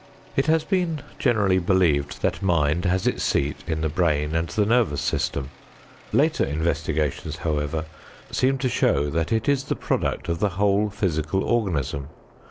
It has been generally believed that mind has its seat in the brain and the nervous system. Later investigations, however, seem to show that it is the product of the whole physical organism.